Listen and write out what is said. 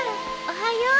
おはよう。